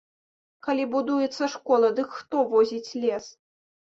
Калі будуецца школа, дык хто возіць лес?